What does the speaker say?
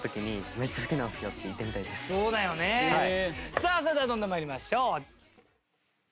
さあそれではどんどん参りましょう。